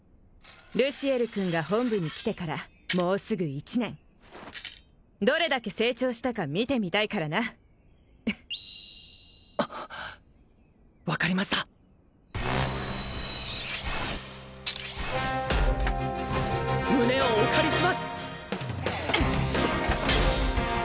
ルシエル君が本部に来てからもうすぐ１年どれだけ成長したか見てみたいからな分かりました胸をお借りします！